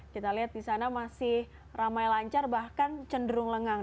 kita lihat di sana masih ramai lancar bahkan cenderung lengang